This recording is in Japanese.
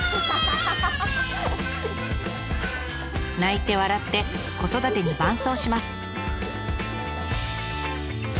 泣いて笑って子育てに伴走します。